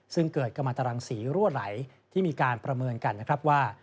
ซึ่งเกิดกรรมตรังสีรั่วไหลที่มีการประเมินกันนะครับว่า